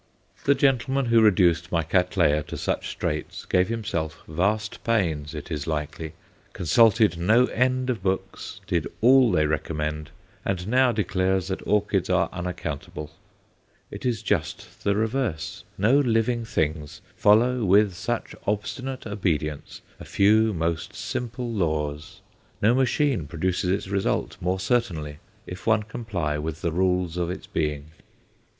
The gentleman who reduced my Cattleya to such straits gave himself vast pains, it is likely, consulted no end of books, did all they recommend; and now declares that orchids are unaccountable. It is just the reverse. No living things follow with such obstinate obedience a few most simple laws; no machine produces its result more certainly, if one comply with the rules of its being.